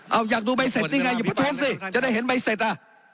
เอาอยากดูใบเสร็จนี่ไงอย่าประทวนสิจะได้เห็นใบเสร็จอ่ะ